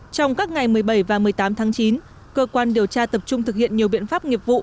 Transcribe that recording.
trong các ngày một mươi bảy và một mươi tám tháng chín cơ quan điều tra tập trung thực hiện nhiều biện pháp nghiệp vụ